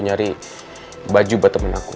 nyari baju buat temen aku